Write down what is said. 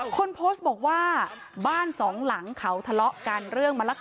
คนโพสต์บอกว่าบ้านสองหลังเขาทะเลาะกันเรื่องมะละก